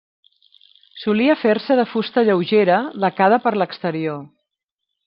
Solia fer-se de fusta lleugera, lacada per l'exterior.